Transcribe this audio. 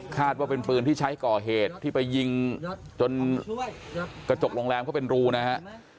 ว่าเป็นปืนที่ใช้ก่อเหตุที่ไปยิงจนกระจกโรงแรมเขาเป็นรูนะฮะ